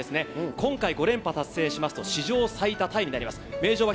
今回、５連覇達成しますと、史上最多タイとなります。